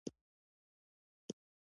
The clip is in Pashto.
هغه فهم ته نه رسېږي.